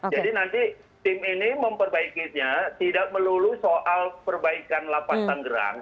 jadi nanti tim ini memperbaikinya tidak melulu soal perbaikan lapas tanggerang